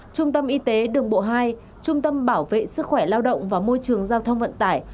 trung tâm y tế đường bộ hai trung tâm bảo vệ sức khỏe lao động và môi trường giao thông vận tải